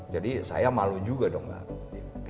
jadi saya malu juga dong mbak